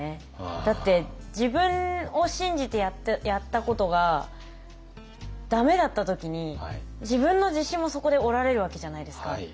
だって自分を信じてやったことが駄目だった時に自分の自信もそこで折られるわけじゃないですか。